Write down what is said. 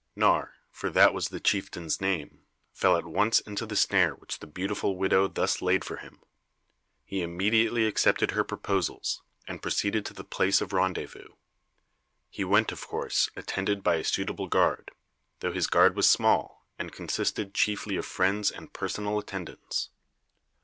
Nawr, for that was the chieftain's name, fell at once into the snare which the beautiful widow thus laid for him. He immediately accepted her proposals, and proceeded to the place of rendezvous. He went, of course, attended by a suitable guard, though his guard was small, and consisted chiefly of friends and personal attendants.